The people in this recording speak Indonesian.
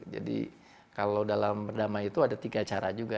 jadi kalau dalam perdamaian itu ada tiga cara juga